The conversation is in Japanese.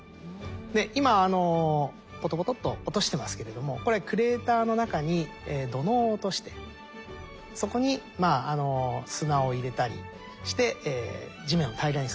で今ポトポトっと落としてますけれどもこれクレーターの中に土のうを落としてそこに砂を入れたりして地面を平らにすると。